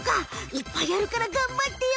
いっぱいあるからがんばってよ！